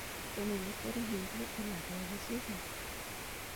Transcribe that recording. Tomemos, por ejemplo, "El lago de los cisnes".